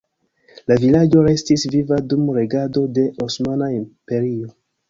La vilaĝo restis viva dum regado de Osmana Imperio.